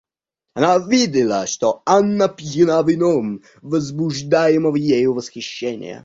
Она видела, что Анна пьяна вином возбуждаемого ею восхищения.